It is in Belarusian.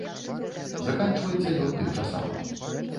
Заканчваецца ён тым жа самым.